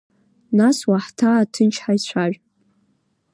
Нас уаҳҭаа ҭынч ҳаицәажәап…